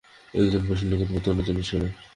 একজন পশুর নিকটবর্তী, অন্যজন ঈশ্বরের।